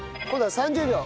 ３０秒！